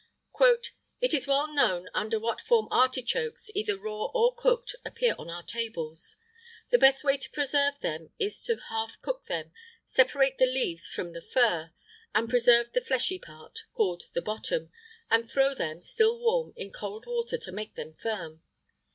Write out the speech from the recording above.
[IX 105] "It is well known under what form artichokes, either raw or cooked, appear on our tables. The best way to preserve them is to half cook them, separate the leaves from the fur, and preserve the fleshy part, called the bottom, and throw them, still warm, in cold water, to make them firm.